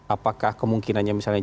apakah kemungkinannya misalnya